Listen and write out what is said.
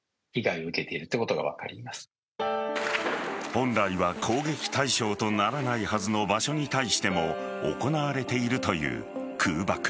本来は攻撃対象とならないはずの場所に対しても行われているという空爆。